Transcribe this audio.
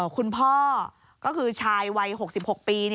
คุณพ่อก็คือชายวัย๖๖ปี